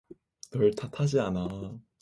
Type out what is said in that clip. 널 탓하진 않아.